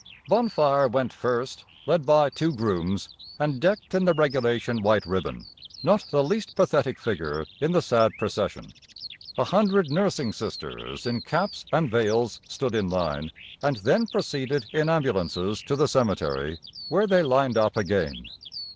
Bonfire went first, led by two grooms, and decked in the regulation white ribbon, not the least pathetic figure in the sad procession. A hundred nursing Sisters in caps and veils stood in line, and then proceeded in ambulances to the cemetery, where they lined up again.